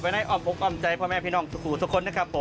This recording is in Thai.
ไว้ในออมกฎอมใจพ่อแม่พี่น่องสู่คนนะครับ